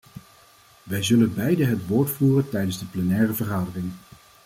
Wij zullen beiden het woord voeren tijdens de plenaire vergadering.